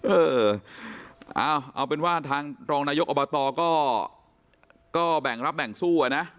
เออเอาเป็นว่าทางรองนายกอบตก็แบ่งรับแบ่งสู้อะนะ